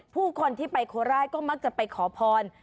ผู้คนที่ไปโคราชก็มักจะไปขอพร